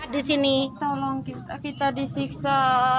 di sini tolong kita disiksa